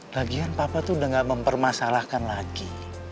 lagian papa tuh udah gak mempermasalahkan lagi